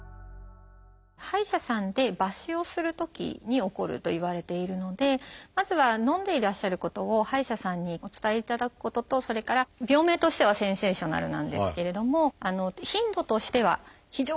歯医者さんで抜歯をするときに起こるといわれているのでまずはのんでいらっしゃることを歯医者さんにお伝えいただくこととそれから病名としてはセンセーショナルなんですけれども頻度としては非常に少ない。